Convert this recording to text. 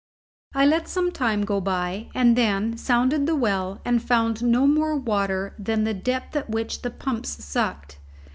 I let some time go by, and then sounded the well and found no more water than the depth at which the pumps sucked.